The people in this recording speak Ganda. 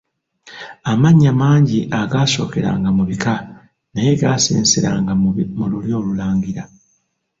Amannya mangi agaasookeranga mu bika, naye gaasenseranga mu lulyo olulangira.